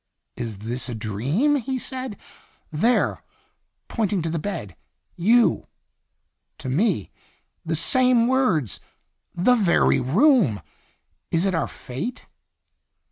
"Is this a dream?" he said. "There," pointing to the bed; "you" to me; "the 30 &n Itinerant same words the very room ! Is it our fate?"